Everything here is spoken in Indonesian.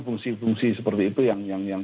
fungsi fungsi seperti itu yang